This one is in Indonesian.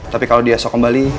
tapi kalau dia shock kembali